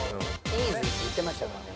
イージーって言ってましたからね。